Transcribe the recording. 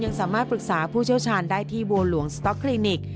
สามารถปรึกษาผู้เชี่ยวชาญได้ที่บัวหลวงสต๊อกคลินิก